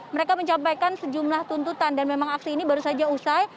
mereka mencapaikan sejumlah tuntutan dan memang aksi ini baru saja usai